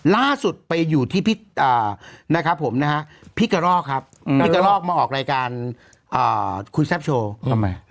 ล่าสุดไปอยู่ที่พี่กระลอกครับพี่กระลอกมาออกรายการคุยแซ่บโชว์